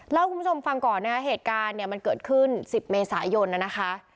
เล่าให้คุณผู้ชมฟังก่อนนะคะเหตุการณ์เนี่ยมันเกิดขึ้น๑๐เมษายนนะคะ